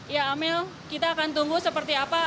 ya amel kita akan tunggu seperti apa